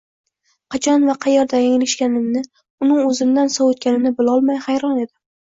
Qachon va qaerda yanglishganimni, uni o`zimdan sovitganimni bilolmay hayron edim